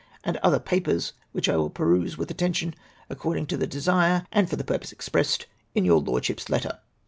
and other papers, which I will peruse with atten tion according to the desire and for the jiurpose expressed in your Lordship's letter.